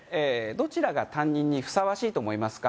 どちらが担任にふさわしいと思いますか？